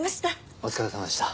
お疲れさまでした。